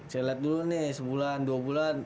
saya lihat dulu nih sebulan dua bulan